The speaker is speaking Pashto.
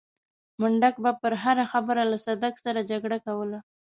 منډک به پر هره خبره له صدک سره جګړه کوله.